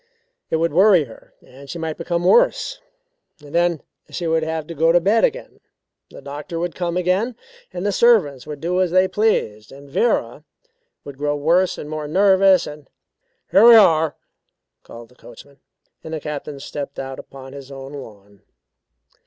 It would worry her and she might become worse. Then she would have to go to bed again, the doctor would come again, and the servants would do as they pleased. And Vera would grow worse and more nervous and " "Here we are!" called the coachman, and the Captain stepped out upon his own lawn.